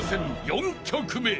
４曲目］